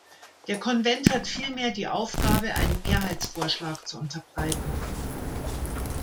Der Konvent hat vielmehr die Aufgabe, einen Mehrheitsvorschlag zu unterbreiten.